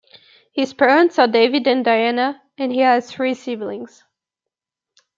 His parents are David and Diana, and he has three siblings.